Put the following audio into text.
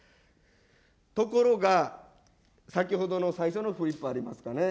ところが、先ほどの最初のフリップありますかね。